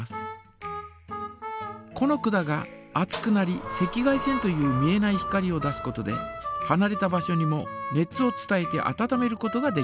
この管が熱くなり赤外線という見えない光を出すことではなれた場所にも熱を伝えてあたためることができます。